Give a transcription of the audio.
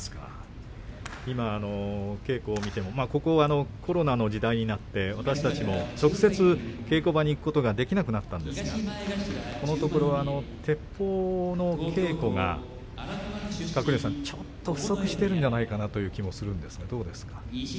今、稽古を見てもコロナの時代になって今、私たちも直接稽古場に行くことはできなくなりましたがこのところはてっぽうの稽古が不足しているんじゃないかなという気がしますがどうですか。